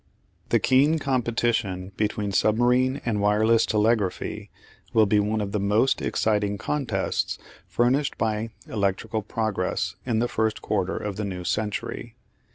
The keen competition between submarine and wireless telegraphy will be one of the most exciting contests furnished by electrical progress in the first quarter of the new century.